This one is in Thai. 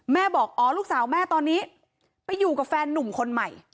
บอกอ๋อลูกสาวแม่ตอนนี้ไปอยู่กับแฟนนุ่มคนใหม่